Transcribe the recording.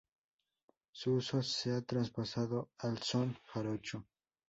Su uso se ha traspasado al son jarocho.